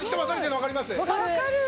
分かる！